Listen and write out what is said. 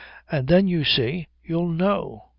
And then, you see, you'll know.